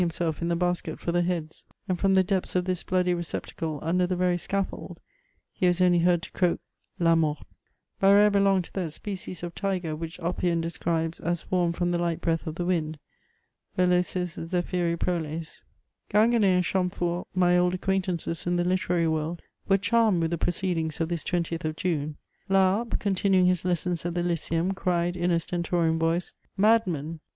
331 himself in the basket for the heads ; and from the depths of this bloody receptacle, mider the very scaffold, he was only heard to croi^ la mort I Barr^re belonged to that species of tiger which Oppian describes as formed £rom the light breath of &e wind : velocis Zepkyri proles, Ginguene and Chanipfort, my old acquaintances in the lite raiy world, were charmed with the proceedings of this 20th of JuBiB. Laharpe, continuing his lessons at the Lyceum, cried in a stentorian voice :^' Madmen